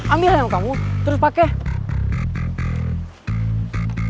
ambil yang kamu terus pakai